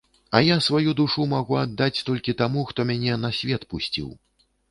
А я сваю душу магу аддаць толькі таму, хто мяне на свет пусціў.